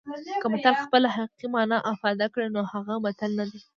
که متل خپله حقیقي مانا افاده کړي نو هغه متل نه دی